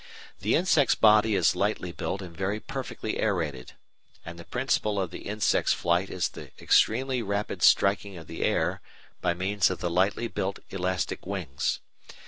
The insect's body is lightly built and very perfectly aerated, and the principle of the insect's flight is the extremely rapid striking of the air by means of the lightly built elastic wings.